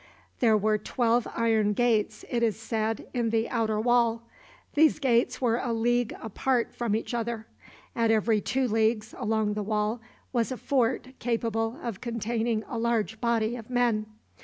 There were twelve iron gates, it is said, in the outer wall. These gates were a league apart from each other. At every two leagues along the wall was a fort capable of containing a large body of men.